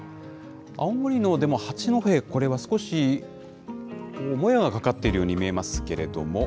青森の、でも八戸、これは少しもやがかかっているように見えますけれども。